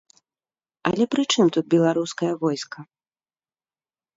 Але пры чым тут беларускае войска?